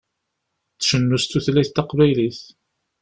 Tcennu s tutlayt taqbaylit.